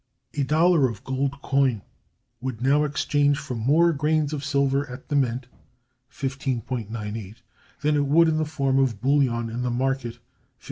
A dollar of gold coin would now exchange for more grains of silver at the mint (15.98) than it would in the form of bullion in the market (15.73).